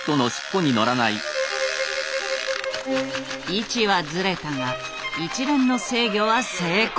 位置はズレたが一連の制御は成功。